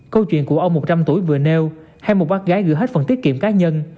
câu chuyện của ông một trăm linh tuổi vừa nêu hay một bác gái gửi hết phần tiết kiệm cá nhân